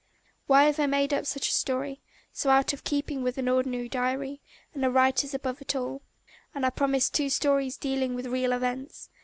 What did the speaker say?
Why have I made up such a story, so out of keeping with an ordinary diary, and a writer's above all? And I promised two stories dealing with real events!